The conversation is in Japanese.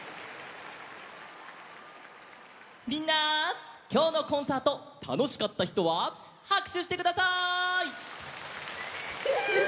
みんなきょうのコンサートたのしかったひとははくしゅしてください！